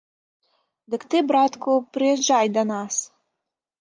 Дык ты, братку, прыязджай да нас.